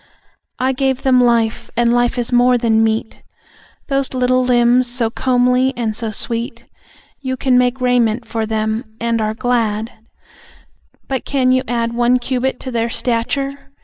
I gave them life, and life is more than meat; Those little limbs, so comely and so sweet. You can make raiment for them, and are glad, But can you add One cubit to their stature?